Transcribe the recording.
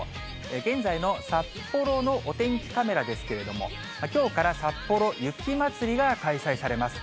現在の札幌のお天気カメラですけれども、きょうから、さっぽろ雪まつりが開催されます。